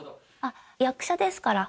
役者ですから。